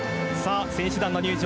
選手団の入場